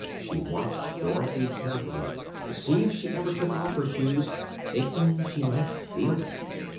She watched Dorothy carefully, to see if she ever took off her shoes, thinking she might steal them.